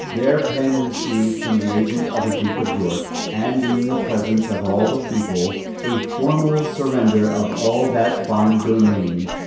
There Penn received from the agent of the Duke of York, and in the presence of all the people, a formal surrender of all that fine domain.